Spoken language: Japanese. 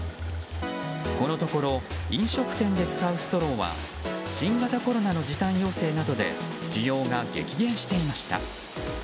このところ飲食店で使うストローは新型コロナの時短要請などで需要が激減していました。